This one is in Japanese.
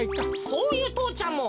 そういう父ちゃんも。